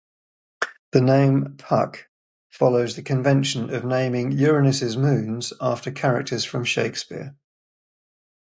The name "Puck" follows the convention of naming Uranus's moons after characters from Shakespeare.